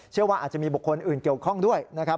เชื่อว่าอาจจะมีบุคคลอื่นเกี่ยวข้องด้วยนะครับ